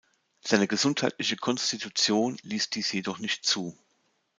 Seine gesundheitliche Konstitution ließ dies jedoch nicht zu.